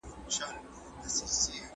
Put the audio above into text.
زه به سبا سیر وکړم!؟